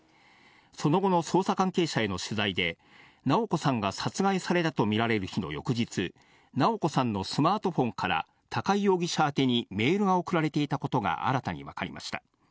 その後の捜査関係者への取材で、直子さんが殺害されたとみられる日の翌日、直子さんのスマートフォンから高井容疑者宛にメールが送られていたことが新たに分かりました。